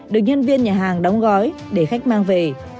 được nhân viên nhà hàng đóng gói để khách mang về